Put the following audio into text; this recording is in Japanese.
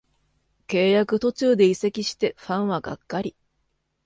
契約途中で移籍してファンはがっかり